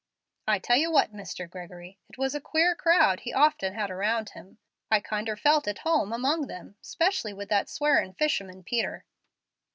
I tell you what, Mr. Gregory, it was a queer crowd He often had around Him. I'd kinder felt at home among 'em, 'specially with that swearin' fisherman Peter.